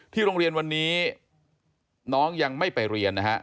โรงเรียนวันนี้น้องยังไม่ไปเรียนนะฮะ